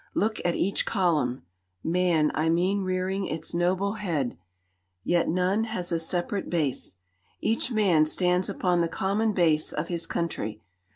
Look at each column man, I mean rearing its noble head; yet none has a separate base. Each man stands upon the common base of his country.